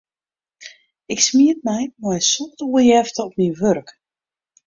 Ik smiet my mei in soad oerjefte op myn wurk.